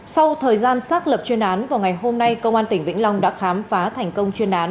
sau thời gian xác lập chuyên án vào ngày hôm nay công an tỉnh vĩnh long đã khám phá thành công chuyên án